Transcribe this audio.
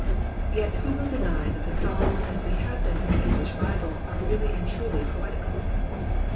Yet who will deny that the Psalms as we have them in the English Bible are really and truly poeti cal